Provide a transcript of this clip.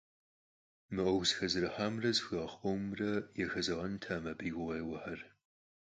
Мы Ӏуэху зэхэзэрыхьамрэ зэхуигъэхъу къомымрэ яхэзэгъэнутэкъым абы и гукъеуэхэр.